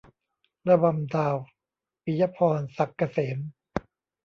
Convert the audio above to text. ระบำดาว - ปิยะพร ศักดิ์เกษม